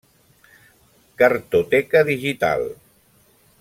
Cartoteca digital.